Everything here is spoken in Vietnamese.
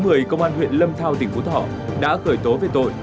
người công an huyện lâm thao tỉnh phú thỏ đã cởi tố về tội